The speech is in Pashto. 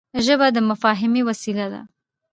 ژبه د مفاهمې وسیله ده